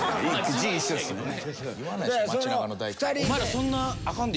字一緒ですよね。